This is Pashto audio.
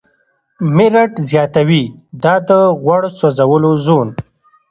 میرټ زیاتوي، دا د "غوړ سوځولو زون